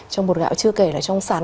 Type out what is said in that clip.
trong bột gạo chưa kể là trong sắn